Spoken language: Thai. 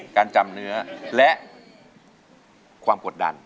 จำเนื้อและความกดดัน